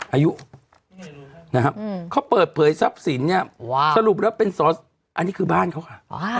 อายุนะครับเขาเปิดเผยทรัพย์สินเนี่ยสรุปแล้วเป็นสออันนี้คือบ้านเขาค่ะ